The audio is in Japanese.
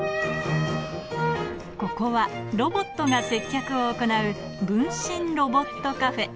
ここはロボットが接客を行う、分身ロボットカフェ。